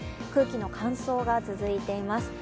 空気の乾燥が続いています。